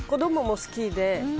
子どもも好きで。